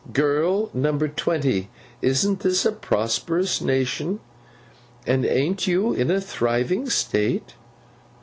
Girl number twenty, isn't this a prosperous nation, and a'n't you in a thriving state?